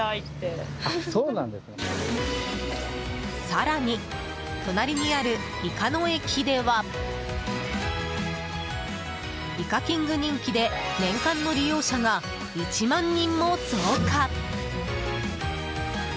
更に隣にあるイカの駅ではイカキング人気で年間の利用者が１万人も増加。